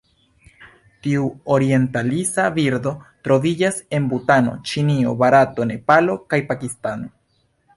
Tiu orientalisa birdo troviĝas en Butano, Ĉinio, Barato, Nepalo kaj Pakistano.